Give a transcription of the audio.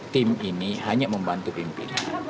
tim ini hanya membantu pimpinan